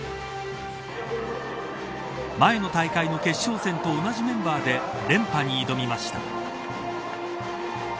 前の大会の決勝戦と同じメンバーで連覇に挑みました。